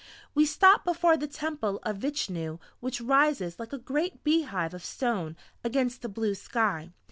We stopped before the temple of Vichnu which rises like a great bee hive of stone against the blue sky.